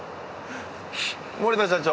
森田社長